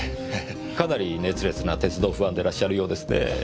かなり熱烈な鉄道ファンでいらっしゃるようですねぇ。